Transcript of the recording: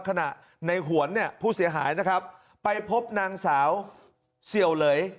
ขณะในหวนเนี่ยผู้เสียหายนะครับไปพบนางสาวเสี่ยวเหลย